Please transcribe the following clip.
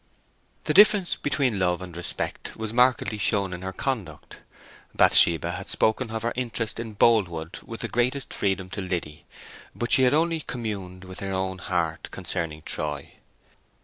The difference between love and respect was markedly shown in her conduct. Bathsheba had spoken of her interest in Boldwood with the greatest freedom to Liddy, but she had only communed with her own heart concerning Troy.